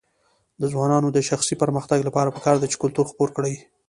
د ځوانانو د شخصي پرمختګ لپاره پکار ده چې کلتور خپور کړي.